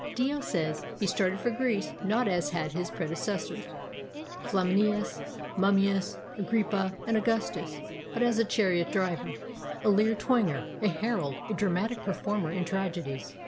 Dio says: "He started for Greece not as had his predecessors, Flaminius, Mummius, Agrippa, and Augustus, but as a chariot driver, a lyre twanger, a herald, a dramatic performer in tragedies.